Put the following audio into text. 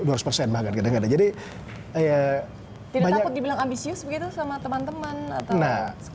tidak takut dibilang ambisius begitu sama teman teman atau sekeliling anda